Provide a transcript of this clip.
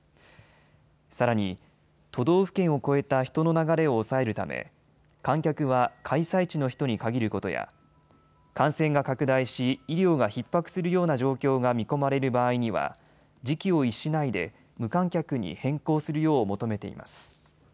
さらに、都道府県を越えた人の流れを抑えるため観客は開催地の人に限ることや感染が拡大し医療がひっ迫するような状況が見込まれる場合には時期を逸しないで無観客に変更するよう求めています。